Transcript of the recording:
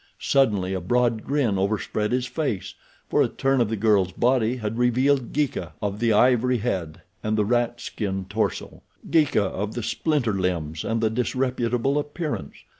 Suddenly a broad grin overspread his face, for a turn of the girl's body had revealed Geeka of the ivory head and the rat skin torso—Geeka of the splinter limbs and the disreputable appearance.